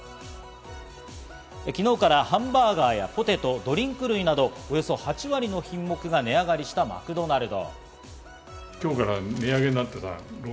昨日からハンバーガーやポテト、ドリンク類などおよそ８割の品目が値上がりしたマクドナルド。